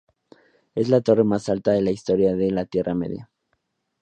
Es la torre más alta de la historia de la Tierra Media.